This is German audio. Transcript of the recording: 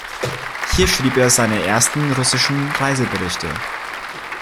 Hier schrieb er seine ersten russischen Reiseberichte.